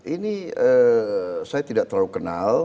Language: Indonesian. ini saya tidak terlalu kenal